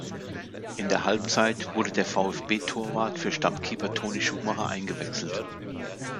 In der Halbzeit wurde der VfB-Torwart für Stammkeeper Toni Schumacher eingewechselt.